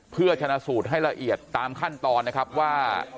เพื่อชนะสูตรให้ละเอียดตามขั้นตอนนะครับว่า